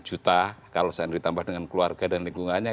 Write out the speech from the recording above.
empat lima juta kalau saya ditambah dengan keluarga dan lingkungannya